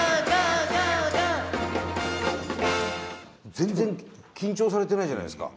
全然緊張されてないじゃないですか。